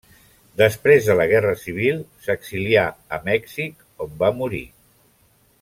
Després de la Guerra Civil s'exilià a Mèxic, on va morir.